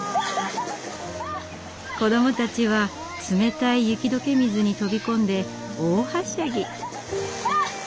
子どもたちは冷たい雪解け水に飛び込んで大はしゃぎ。